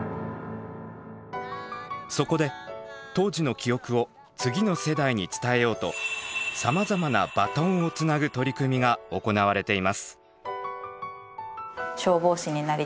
そこで当時の記憶を次の世代に伝えようとさまざまなバトンをつなぐ取り組みが行われています。